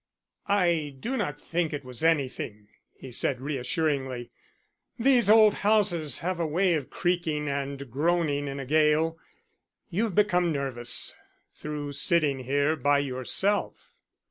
"I do not think it was anything," he said reassuringly. "These old houses have a way of creaking and groaning in a gale. You have become nervous through sitting here by yourself."